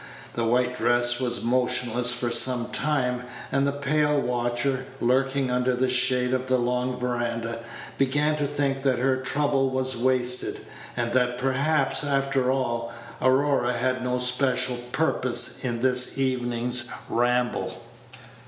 The white dress was motionless for some time, and the pale watcher, lurking under the shade of a long veranda, began to think that her trouble was wasted, and that perhaps, after all, Aurora had no special purpose in this evening ramble.